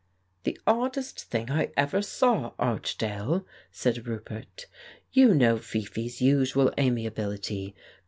"The oddest thing I ever saw, Archdale," said Roupert. "You know Fifi's usual amiability.